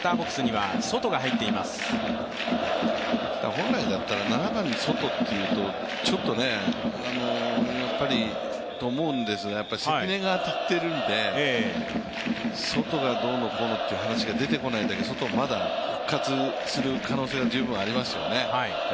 本来なら７番にソトというと、ちょっとと思うんですけれども、関根が当たってるんでソトがどうのこうのっていう話が出てこないんだけど出てこないだけ、ソトはまだ復活する可能性が十分ありますよね。